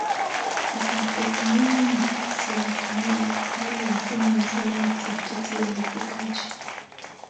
za dopamini na serotonini ndani ya mfumo mzima wa sakiti ya uridhikaji